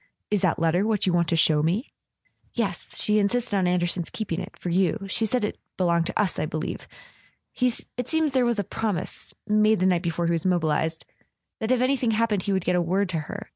"Is that letter what you want to show me ?" "Yes. She insisted on Anderson's keeping it—for you. She said it belonged to us, I believe. .. It seems there was a promise—made the night before he was mobilised—that if anything happened he would get word to her. ..